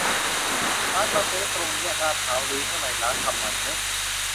ร้านปาเต๊ะตรงแยกลาดพร้าวรื้อข้างในร้าน ทำใหม่เนอะ